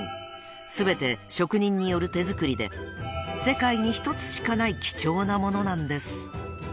［全て職人による手作りで世界に１つしかない貴重な物なんです］